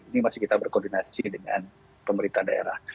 ini masih kita berkoordinasi dengan pemerintah daerah